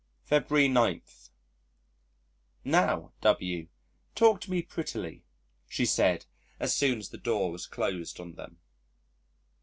February 9. ... "Now, W , talk to me prettily," she said as soon as the door was closed on them.